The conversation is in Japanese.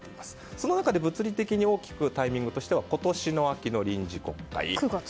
その中で物理的な大きなタイミングとして今年の秋の臨時国会。